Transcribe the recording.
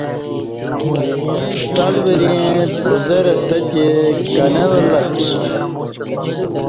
ݜٹل وریئں بزرہ تتی کہ نہ ولہ ڄی